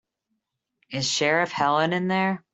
Is Sheriff Helen in there?